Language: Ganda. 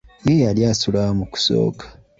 Ye yali asula wa mu kusooka?